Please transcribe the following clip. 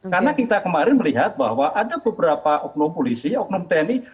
karena kita kemarin melihat bahwa ada beberapa oknum polisi oknum tni